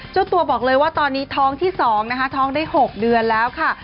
เจ้าตัวบอกเลยว่าตอนนี้ท้องที่๒นะคะท้องได้๖เดือนแล้วค่ะ